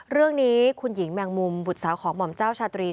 เรื่องนี้คุณหญิงแมงมุมบุตรสาวของหม่อมเจ้าชาตรี